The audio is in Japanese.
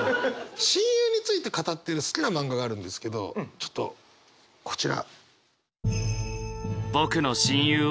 親友について語ってる好きな漫画があるんですけどちょっとこちら。